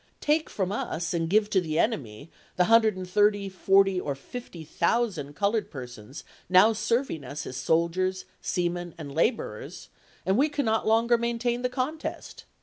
Take from us and give to the enemy the hundred and thirty, forty, or fifty thousand colored persons now serving us as sol diers, seamen, and laborers, and we cannot longer maintain the contest.